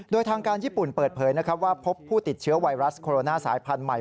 โดยทางการญี่ปุ่นเปิดเผยนะครับว่าพบผู้ติดเชื้อไวรัสโคโรนาสายพันธุ์ใหม่